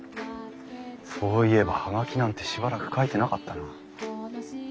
そういえば葉書なんてしばらく書いてなかったな。